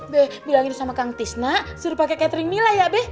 be bilangin sama kang tisna suruh pake catering mila ya be